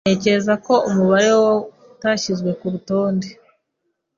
Ntekereza ko umubare wa utashyizwe ku rutonde.